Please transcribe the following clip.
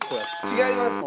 違います。